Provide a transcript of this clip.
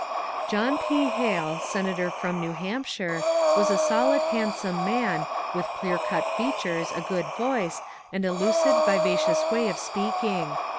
John P. Hale, senator from New Hampshire, was a solid handsome man, with clear cut features, a good voice, and a lucid, vivacious way of speaking.